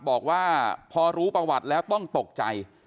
บอกว่าพอรู้ประวัติแล้วต้องตกใจ